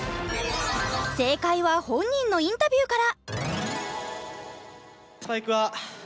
正解は本人のインタビューから。